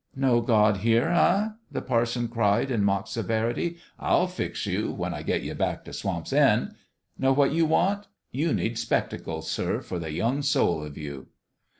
" No God here, eh ?" the parson cried, in mock severity. "Til fix you, when I get you back to Swamp's End. Know what you want ? You need spectacles, sir, for the young soul of you